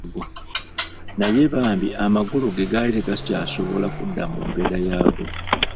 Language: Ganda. Naye bambi amagulu ge gaali tegakyasobola kudda mu mbeera yaago.